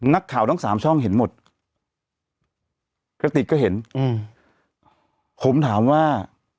นักข่าวทั้งสามช่องเห็นหมดกระติกก็เห็นอืมผมถามว่า